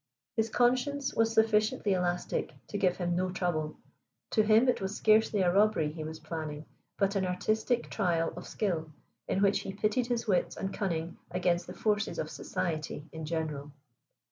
His conscience, was sufficiently elastic to give him no trouble. To him it was scarcely a robbery he was planning, but an artistic trial of skill, in which he pitted his wits and cunning against the forces of society in general.